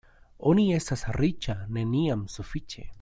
Oni estas riĉa neniam sufiĉe.